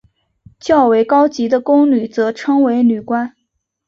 较为高级的宫女则称为女官。